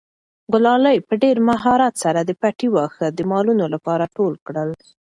ګلالۍ په ډېر مهارت سره د پټي واښه د مالونو لپاره ټول کړل.